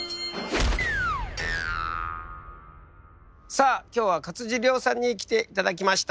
さあ今日は勝地涼さんに来ていただきました。